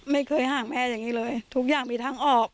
ไม่เคยห่างแม่อย่างนี้เลยทุกอย่างมีทางออก